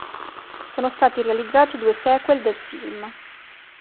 Sono stati realizzati due sequel del film.